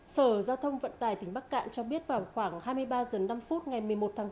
sở giao thông vận tải tỉnh bắc cạn cho biết vào khoảng hai mươi ba h năm ngày một mươi một tháng tám